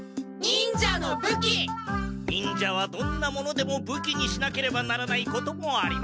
忍者はどんなものでも武器にしなければならないこともあります。